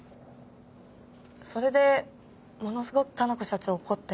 それでものすごく香奈子社長怒って。